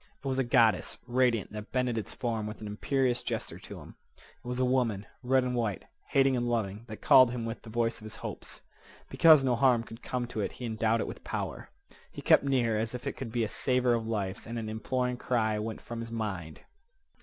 It was a goddess, radiant, that bended its form with an imperious gesture to him. It was a woman, red and white, hating and loving, that called him with the voice of his hopes. Because no harm could come to it he endowed it with power. He kept near, as if it could be a saver of lives, and an imploring cry went from his mind.